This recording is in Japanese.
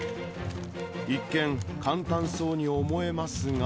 一見、簡単そうに思えますが。